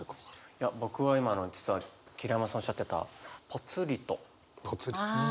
いや僕は今の実は桐山さんおっしゃってたぽつりと。ぽつり？